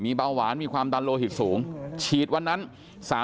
พี่สาวของเธอบอกว่ามันเกิดอะไรขึ้นกับพี่สาวของเธอ